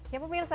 ya pak mirsa